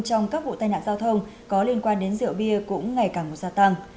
trong các vụ tai nạn giao thông có liên quan đến rượu bia cũng ngày càng gia tăng